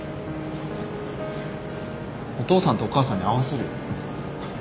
お父さんとお母さんに会わせるよ。